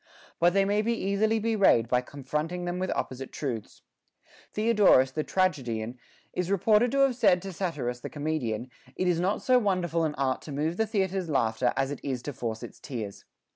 But they may be easily bewrayed by confronting them with opposite truths. Theodorus the tragedian is reported to have said to Satyrus the comedian. It is not so wonderful an art to move the theatre's laughter as to force its tears.